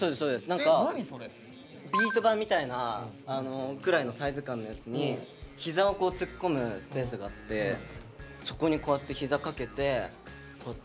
何かビート板みたいなくらいのサイズ感のやつに膝を突っ込むスペースがあってそこにこうやって膝かけてこうやって。